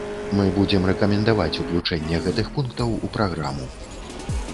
Мы будзем рэкамендаваць ўключэнне гэтых пунктаў у праграму.